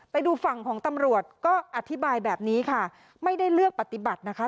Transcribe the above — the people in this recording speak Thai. ไปดูฝั่งของตำรวจก็อธิบายแบบนี้ค่ะไม่ได้เลือกปฏิบัตินะคะ